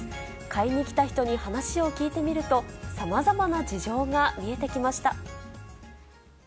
買いに来た人に話を聞いてみると、さまざまな事情が見えてきました。